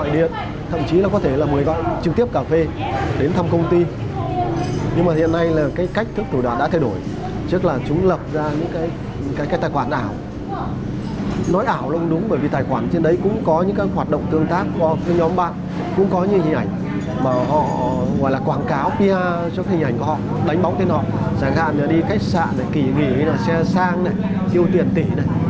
đi khách sạn kỳ nghỉ xe sang tiêu tiền tỷ